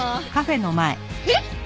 えっ！？